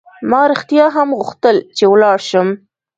ما رښتیا هم غوښتل چې ولاړ شم.